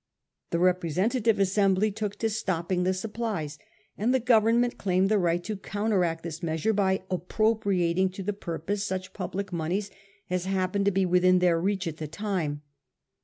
The representative assembly took to stopping the supplies, and the Government claimed the right to counteract this measure by appropriating to the purpose such public moneys as happened to be within their reach at the time.